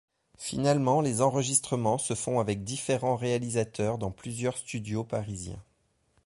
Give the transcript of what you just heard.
Finalement les enregistrements se font avec différents réalisateurs dans plusieurs studios parisiens.